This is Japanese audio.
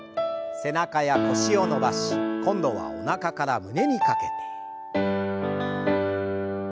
背中や腰を伸ばし今度はおなかから胸にかけて。